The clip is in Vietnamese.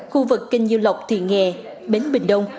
khu vực kinh du lộc thì nghè bến bình đông